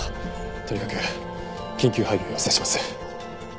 とにかく緊急配備を要請します。